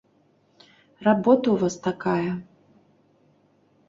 Работа ў вас такая.